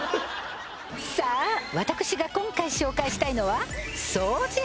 さあ私が今回紹介したいのは掃除